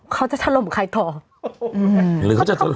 เขาจะทะลมใครต่อ